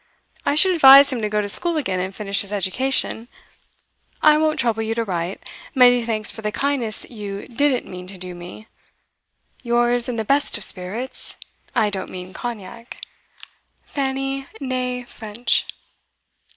I should advise him to go to school again and finish his education. I won't trouble you to write. Many thanks for the kindness you didn't mean to do me. Yours in the best of spirits (I don't mean Cognac), FANNY (nee) FRENCH.